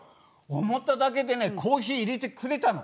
思っただけでねコーヒーいれてくれたの。